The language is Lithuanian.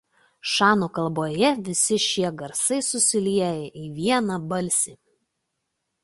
Šanų kalboje visi šie garsai susilieja į vieną balsį.